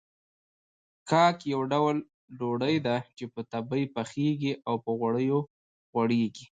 کاک يو ډول ډوډۍ ده چې په تبۍ پخېږي او په غوړيو غوړېږي.